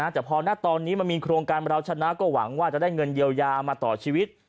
แต่พอตอนนี้มันมีโครงการเราชนะก็หวังว่าจะได้เงินเยียวยามาต่อชีวิต